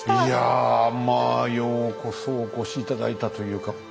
いやまあようこそお越し頂いたというか。